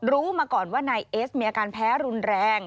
รู้มาก่อนว่านายเอสมีอาการแพ้รุนแรง